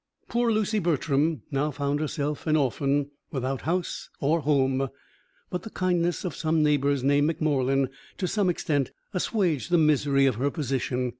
Poor Lucy Bertram now found herself an orphan without house or home; but the kindness of some neighbours named Mac Morlan, to some extent, assuaged the misery of her position.